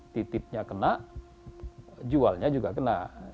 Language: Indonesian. titipnya kena jualnya juga kena